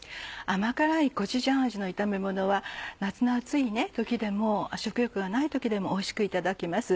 甘辛いコチュジャン味の炒めものは夏の暑い時でも食欲がない時でもおいしくいただけます。